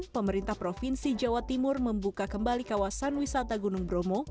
pemerintah provinsi jawa timur membuka kembali kawasan wisata gunung bromo